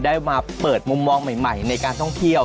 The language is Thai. ได้มาเปิดมุมมองใหม่ในการท่องเที่ยว